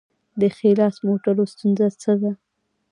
د ښي لاس موټرو ستونزه څه ده؟